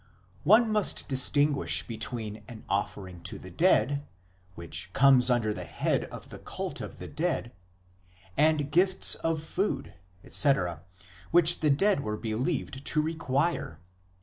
l One must distinguish between an offering to the dead, which comes under the head of the cult of the dead, and gifts of food, etc., which the dead were believed to require.